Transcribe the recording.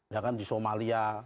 ya kan di somalia